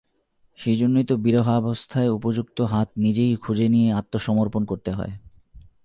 সেইজন্যেই তো বিরহাবস্থায় উপযুক্ত হাত নিজেই খুঁজে নিয়ে আত্মসমর্পণ করতে হয়।